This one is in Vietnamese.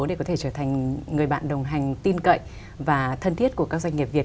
để có thể trở thành người bạn đồng hành tin cậy và thân thiết của các doanh nghiệp việt